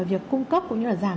việc cung cấp cũng như là giảm